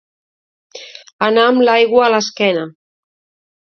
Anar amb l'aigua a l'esquena.